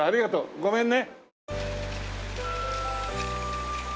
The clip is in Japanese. ごめんね。